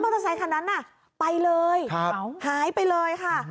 มอเตอร์ไซค์คันนั้นไปเลยหายไปเลยค่ะ